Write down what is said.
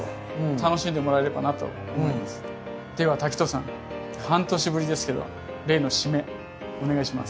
では滝藤さん半年ぶりですけど例の締めお願いします。